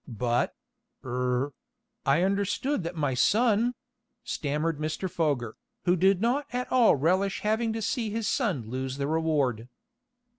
"But er I understood that my son " stammered Mr. Foger, who did not at all relish having to see his son lose the reward.